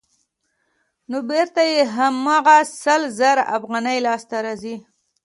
نو بېرته یې هماغه سل زره افغانۍ لاسته راځي